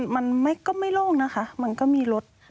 มันก็ไม่โล่งนะคะมันก็มีรถ